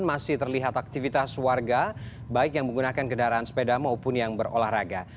masih terlihat aktivitas warga baik yang menggunakan kendaraan sepeda maupun yang berolahraga